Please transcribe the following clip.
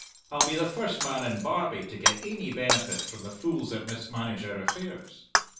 I'll be the first man in Barbie to get ainy benefit from the fools that mismanage our affairs."